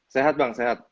sehat bang sehat